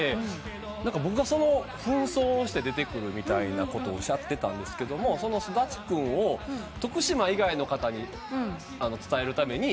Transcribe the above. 僕がその扮装をして出てくるみたいなことをしちゃってたんですけどそのすだちくんを徳島以外の方に伝えるために作った。